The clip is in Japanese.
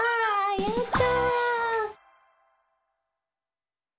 やった！